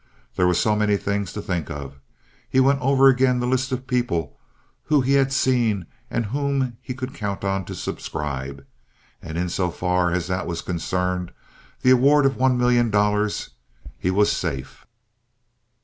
There were so many things to think of. He went over again the list of people whom he had seen and whom he could count on to subscribe, and in so far as that was concerned—the award of one million dollars—he was safe.